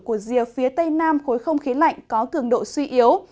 của rìa phía tây nam khối không khí lạnh có cường độ suy yếu